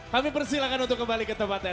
kami persilahkan untuk kembali ke tempatnya